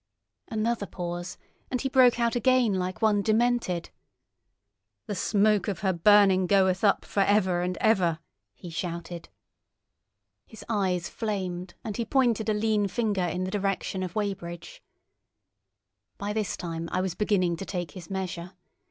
Another pause, and he broke out again like one demented. "The smoke of her burning goeth up for ever and ever!" he shouted. His eyes flamed, and he pointed a lean finger in the direction of Weybridge. By this time I was beginning to take his measure.